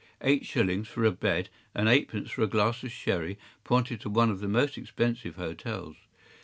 Eight shillings for a bed and eight pence for a glass of sherry pointed to one of the most expensive hotels.